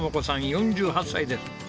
４８歳です。